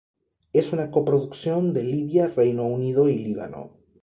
Es una coproducción de Libia, Reino Unido y Líbano.